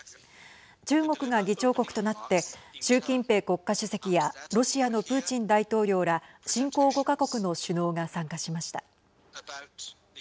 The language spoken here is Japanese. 中国が議長国となって習近平国家主席やロシアのプーチン大統領ら新興５か国の首脳が参加しました。